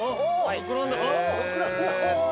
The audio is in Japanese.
膨らんだ。